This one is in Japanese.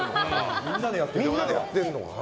みんなでやってるのかな。